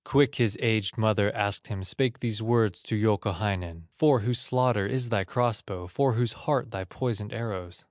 Quick his aged mother asked him, Spake these words to Youkahainen: "For whose slaughter is thy cross bow, For whose heart thy poisoned arrows?"